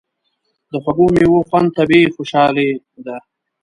د خوږو میوو خوند طبیعي خوشالي ده.